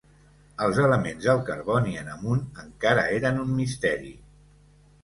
Els elements del carboni en amunt encara eren un misteri.